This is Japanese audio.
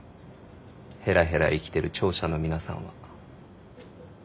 ヘラヘラ生きてる聴者の皆さんは。